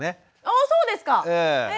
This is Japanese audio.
あそうですか！ええ。